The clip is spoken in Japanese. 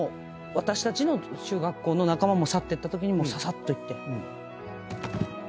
私たちの中学校の仲間も去ってったときにささっと行って。